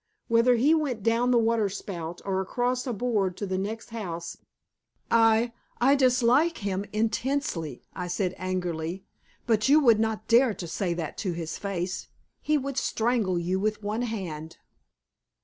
Whether he went down the water spout, or across a board to the next house " "I I dislike him intensely," I said angrily, "but you would not dare to say that to his face. He could strangle you with one hand."